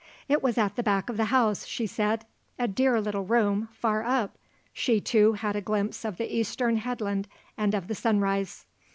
It was at the back of the house, she said; a dear little room, far up. She, too, had a glimpse of the Eastern headland and of the sunrise.